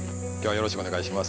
よろしくお願いします。